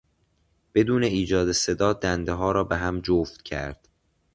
بدون ایجاد صدا دندهها را به هم جفت کرد.